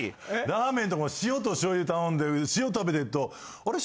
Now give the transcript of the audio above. ラーメンとかも塩と醤油頼んで塩食べてると「あれ？